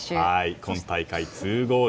今大会２ゴール。